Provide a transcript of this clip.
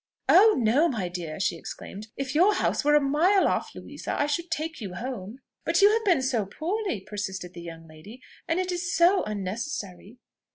"Oh! no, my dear!" she exclaimed: "if your house were a mile off, Louisa, I should take you home." "But you have been so poorly!" persisted the young lady, "and it is so unnecessary!"